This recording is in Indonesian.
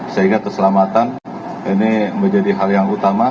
sehingga keselamatan ini menjadi hal yang utama